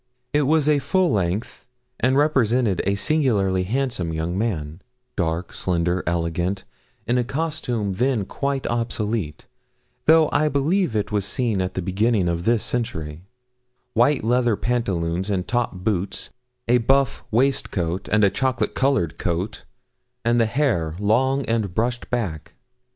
It was a full length, and represented a singularly handsome young man, dark, slender, elegant, in a costume then quite obsolete, though I believe it was seen at the beginning of this century white leather pantaloons and top boots, a buff waistcoat, and a chocolate coloured coat, and the hair long and brushed back.